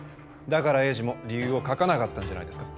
だから栄治も理由を書かなかったんじゃないですか。